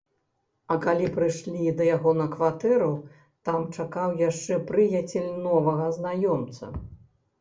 А калі прыйшлі да яго на кватэру, там чакаў яшчэ прыяцель новага знаёмца.